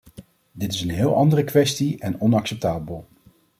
Dit is een heel andere kwestie en onacceptabel.